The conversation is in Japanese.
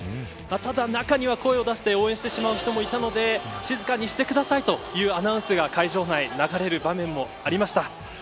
ただ、中には声を出して応援してしまう人もいたので静かにしてくださいというアナウンスが会場内に流れる場面もありました。